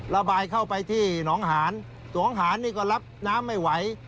ระบายเข้าไปที่หนองหานหนองหานนี่ก็รับน้ำไม่ไหว